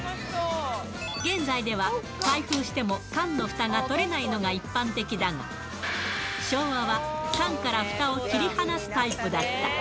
現在では開封しても缶のふたが取れないのが一般的だが、昭和は缶からふたを切り離すタイプだった。